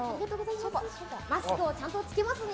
マスクをちゃんと着けますね。